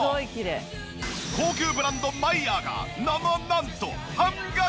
高級ブランドマイヤーがなななんと半額！